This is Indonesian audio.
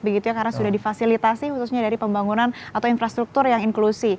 begitu ya karena sudah difasilitasi khususnya dari pembangunan atau infrastruktur yang inklusi